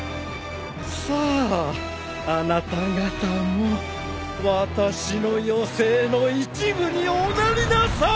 さああなた方も私の寄せ絵の一部におなりなさい！